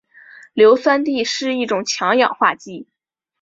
硫酸锑是一种强氧化剂。